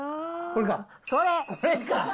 これか。